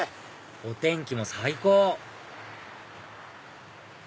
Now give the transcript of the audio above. お天気も最高！